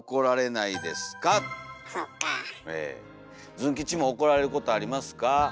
ズン吉も怒られることありますか？